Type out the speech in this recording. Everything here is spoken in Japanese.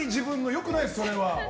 良くないですよそれは。